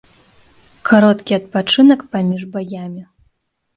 Кароткі адпачынак паміж баямі.